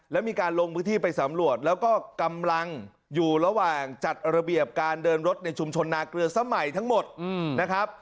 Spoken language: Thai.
และมีการลงพื้นที่ไปสำรวจแล้วก็กำลังอยู่ระหว่างจัดระเบียบการเดินรถในชุมชนนาเกลือสมัยทั้งหมดนะครับ